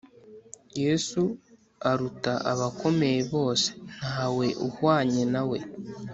Yesu aruta abakomeye bose ntawe uhwan ye nawe